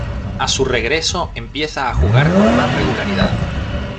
A su regreso empieza a jugar con más regularidad.